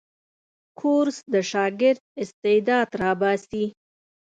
کورس د شاګرد استعداد راباسي.